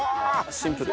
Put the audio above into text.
シンプル！